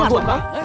lu gak suka